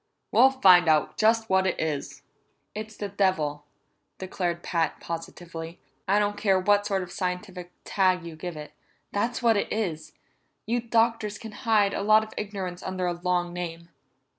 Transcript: We'll find out just what it is." "It's the devil," declared Pat positively. "I don't care what sort of scientific tag you give it that's what it is. You doctors can hide a lot of ignorance under a long name."